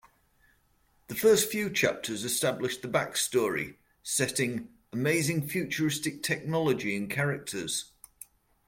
The first few chapters establish the backstory, setting, amazing futuristic technology and characters.